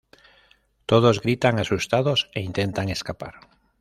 Todos gritan asustados e intentan escapar.